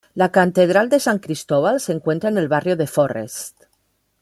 La Catedral de San Cristóbal se encuentra en el barrio de Forrest.